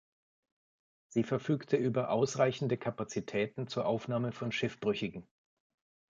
Sie verfügte über ausreichende Kapazitäten zur Aufnahme von Schiffbrüchigen.